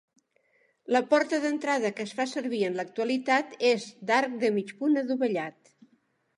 La porta d'entrada que es fa servir en l'actualitat és d'arc de mig punt adovellat.